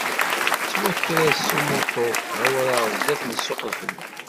Yettwaker-as umuṭu d awraɣ zdat n ssuq-lfellaḥ.